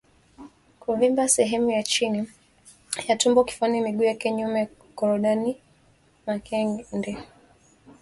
Kuvimba sehemu ya chini ya tumbo kifuani miguu ya nyuma na korodani makende